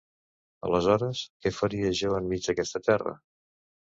Aleshores, què faria jo enmig d'aquesta terra?